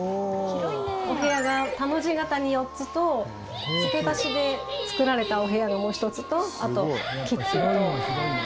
お部屋が田の字形に４つと付け足しで造られたお部屋がもう一つとあとキッチンと。